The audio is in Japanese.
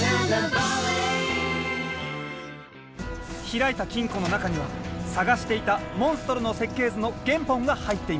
開いた金庫の中にはさがしていたモンストロの設計図の原本が入っていました。